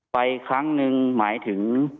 ไปครั้งหนึ่งหมายถึง